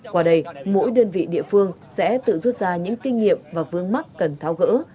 qua đây mỗi đơn vị địa phương sẽ tự rút ra những kinh nghiệm và vương mắc cần tháo gỡ